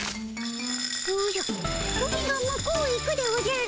おじゃプリンが向こうへ行くでおじゃる。